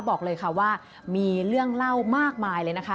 บอกเลยค่ะว่ามีเรื่องเล่ามากมายเลยนะคะ